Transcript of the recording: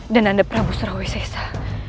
dan anda prabu surawi sesa